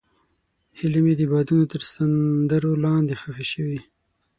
هیلې مې د بادونو تر سندرو لاندې ښخې شوې.